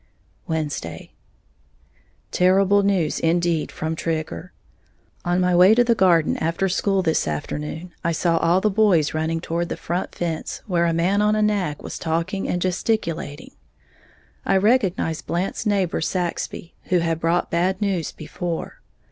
Wednesday. Terrible news indeed from Trigger. On my way to the garden after school this afternoon, I saw all the boys running toward the front fence, where a man on a nag was talking and gesticulating. I recognized Blant's neighbor Saxby, who had brought bad news before.